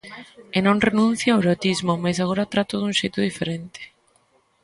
Eu non renuncio ao erotismo, mais agora trátoo dun xeito diferente.